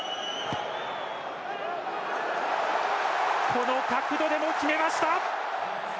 この角度でも決めました。